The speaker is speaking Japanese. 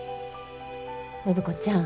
暢子ちゃん